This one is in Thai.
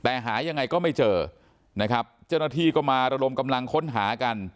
แต่หายังไงก็ไม่เจอนะครับเจ้าหน้าที่ก็มาระดมกำลังค้นหากัน